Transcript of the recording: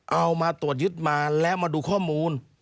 เอามาตรวจยึดมาแล้วมาดูข้อมูล